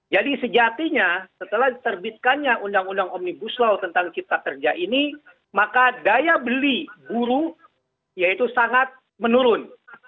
jadi sejatinya setelah diterbitkannya undang undang omnibus law tentang cipta kerja ini maka daya beli buru yaitu sangat menurun